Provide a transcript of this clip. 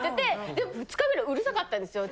で２日目もうるさかったんですよ。